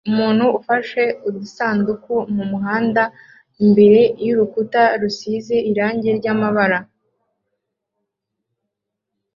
Umuntu ufashe udusanduku mumuhanda imbere yurukuta rusize irangi ryamamaza